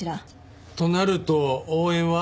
となると応援は。